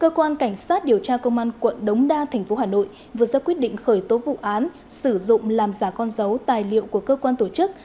cơ quan cảnh sát điều tra công an quận đống đa tp hà nội vừa ra quyết định khởi tố vụ án sử dụng làm giả con dấu tài liệu của cơ quan tổ chức